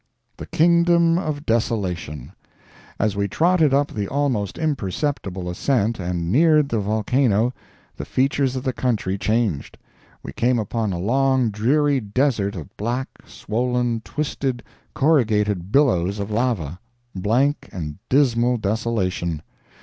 THE KINGDOM OF DESOLATION As we trotted up the almost imperceptible ascent and neared the volcano, the features of the country changed. We came upon a long dreary desert of black, swollen, twisted, corrugated billows of lava—blank and dismal desolation!